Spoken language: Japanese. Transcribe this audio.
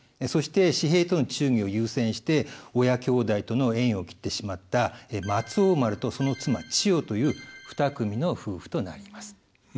そして時平との忠義を優先して親兄弟との縁を切ってしまった松王丸とその妻千代という２組の夫婦となります。